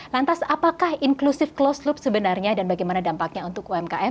lantas apakah inklusif closed loop sebenarnya dan bagaimana dampaknya untuk umkm